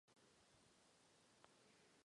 Různé zdroje můžou hodnotit počet druhů odlišně.